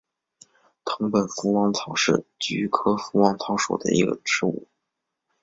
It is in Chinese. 藤本福王草是菊科福王草属的植物。